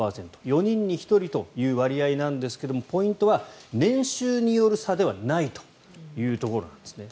４人に１人という割合なんですがポイントは年収による差ではないというところなんですね。